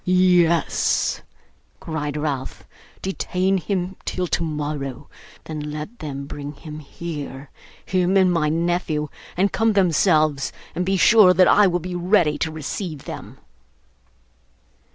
'Yes,' cried Ralph, 'detain him till tomorrow; then let them bring him here him and my nephew and come themselves, and be sure that I will be ready to receive them.